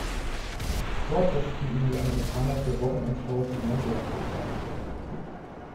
Dort setzten ihn die Amerikaner für Wochenend-Shows in ihren Jazzclubs ein.